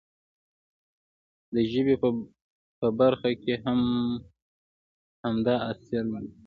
د ژبې په برخه کې هم همدا اصل دی.